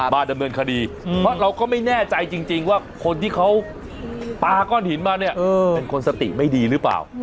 มาดำเนินคดีเพราะเราก็ไม่แน่ใจจริงว่าคนที่เขาปลาก้อนหินมาเนี่ยเป็นคนสติไม่ดีหรือเปล่า